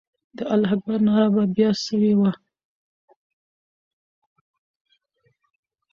د الله اکبر ناره به بیا سوې وه.